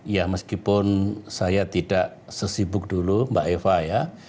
ya meskipun saya tidak sesibuk dulu mbak eva ya